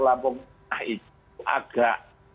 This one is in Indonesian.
lampung nah itu agak